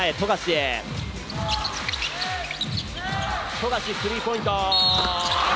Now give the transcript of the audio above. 富樫、スリーポイント！